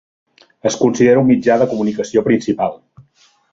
Es considera un mitjà de comunicació principal.